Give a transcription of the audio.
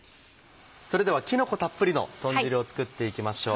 それではきのこたっぷりの豚汁を作っていきましょう。